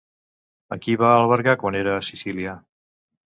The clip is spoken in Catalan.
A qui va albergar quan era a Sicília?